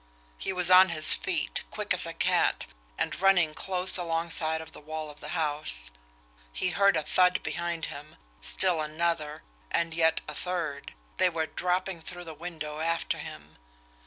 He was on his feet, quick as a cat, and running close alongside of the wall of the house. He heard a thud behind him, still another, and yet a third they were dropping through the window after him.